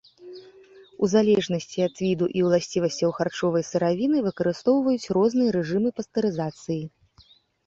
У залежнасці ад віду і уласцівасцяў харчовай сыравіны выкарыстоўваюць розныя рэжымы пастэрызацыі.